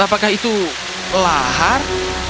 apakah itu lahar